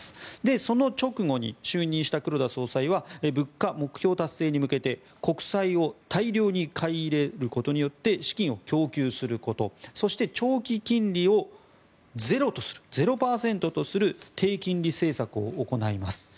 その直後に就任した黒田総裁は物価目標達成に向けて国債を大量に買い入れることによって資金を供給することそして、長期金利をゼロとする０％とする低金利政策を行います。